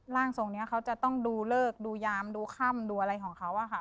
ร่างทรงนี้เขาจะต้องดูเลิกดูยามดูค่ำดูอะไรของเขาอะค่ะ